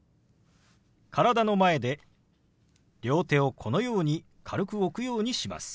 体の前で両手をこのように軽く置くようにします。